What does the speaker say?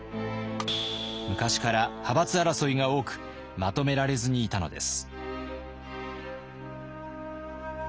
昔から派閥争いが多くまとめられずにいたのです。